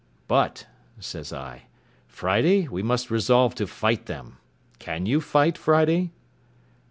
"But," says I, "Friday, we must resolve to fight them. Can you fight, Friday?"